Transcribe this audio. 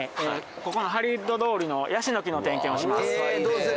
ここのハリウッド通りのヤシの木の点検をします。